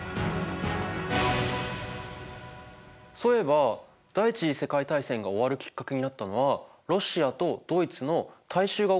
そういえば第一次世界大戦が終わるきっかけになったのはロシアとドイツの大衆が起こした革命だったよね。